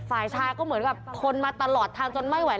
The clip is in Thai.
ฝ่ายชายก็เหมือนกับทนมาตลอดทางจนไม่ไหว